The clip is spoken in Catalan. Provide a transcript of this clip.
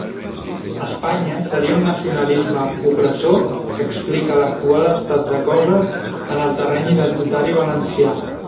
Espanya seria un nacionalisme opressor que explica l'actual estat de coses en el terreny identitari valencià.